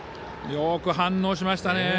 よく反応しましたね。